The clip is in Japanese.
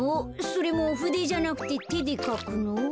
それもふでじゃなくててでかくの？